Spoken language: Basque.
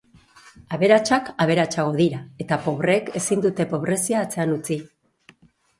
Aberatsak aberatsago dira, eta pobreek ezin dute pobrezia atzean utzi.